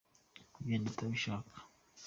kugenda utabishaka.